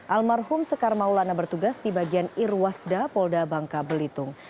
almarhum sekar maulana bertugas di bagian irwasda polda bangka belitung